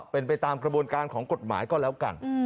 เป็นไปตามกระบวนการของกฎหมายก็แล้วกัน